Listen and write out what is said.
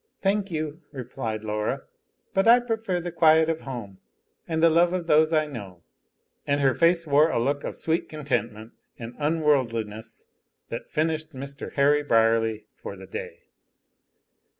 "Thank you," replied Laura. "But I prefer the quiet of home, and the love of those I know;" and her face wore a look of sweet contentment and unworldliness that finished Mr. Harry Brierly for the day.